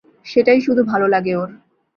সেটাই শুধু ভালো লাগে ওর।